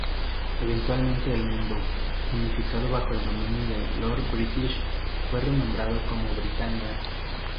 Eventualmente el mundo, unificado bajo el dominio de Lord British, fue renombrado como Britannia.